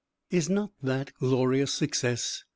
Is not that glorious success?